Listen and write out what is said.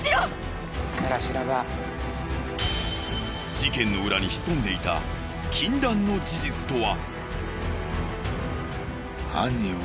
事件の裏に潜んでいた禁断の事実とは？